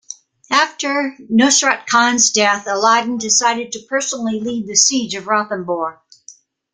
After Nusrat Khan's death, Alauddin decided to personally lead the siege of Ranthambore.